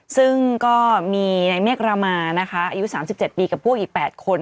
ซึ่งก็มีในเมฆรามานะคะอายุ๓๗ปีกับพวกอีก๘คน